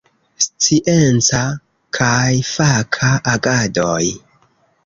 Scienca kaj faka agadoj.